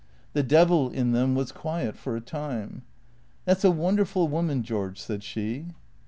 The devil in them was quiet for a time. " That 's a wonderful woman, George," said she.